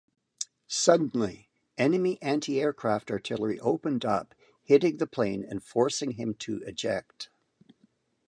Suddenly, enemy anti-aircraft artillery opened up hitting the plane and forcing him to eject.